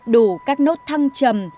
đủ các nốt thăng trầm